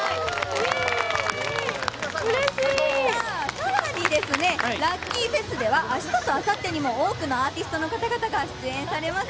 更にですね、ＬｕｃｋｙＦｅｓでは明日とあさっても多くのアーティストの方々が出演されます。